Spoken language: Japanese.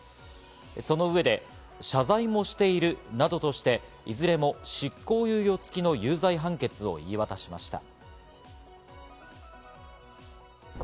その上で謝罪もしているなどとして、いずれも執行猶予付きの有罪判決を言い渡しました。